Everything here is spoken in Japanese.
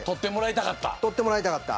取ってもらいたかった。